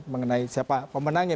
mengenai siapa pemenangnya